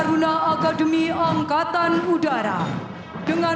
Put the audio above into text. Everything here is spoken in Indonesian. dengan penata roma satu